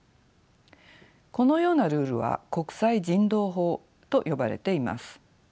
このようなルールは国際人道法と呼ばれています。